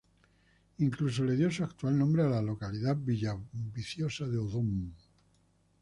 Incluso le dio su actual nombre a la localidad, Villaviciosa de Odón.